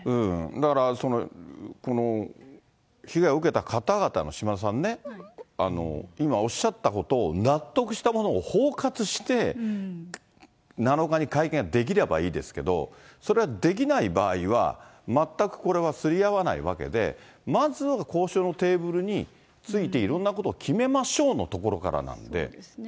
だから、被害を受けた方々の、島田さんね、今おっしゃったことを納得したものを包括して、７日に会見ができればいいですけど、それはできない場合は、全くこれはすり合わないわけで、まずは交渉のテーブルについて、いろんなことを決めましょうのとそうですね。